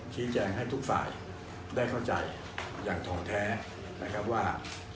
ชี้แจงให้ทุกฝ่ายได้เข้าใจอย่างทองแท้นะครับว่า